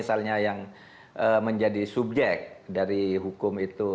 misalnya yang menjadi subjek dari hukum itu